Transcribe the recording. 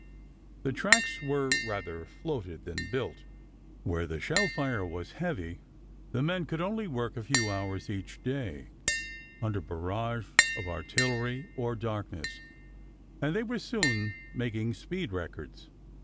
The tracks were rather floated than built. Where the shell fire was heavy, the men could only work a few hours each day, under barrage of artillery or darkness, and they were soon making speed records.